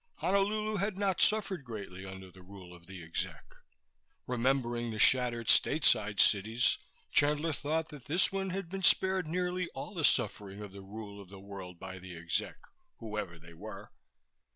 Honolulu had not suffered greatly under the rule of the Exec. Remembering the shattered stateside cities, Chandler thought that this one had been spared nearly all the suffering of the rule of the world by the Exec, whoever they were.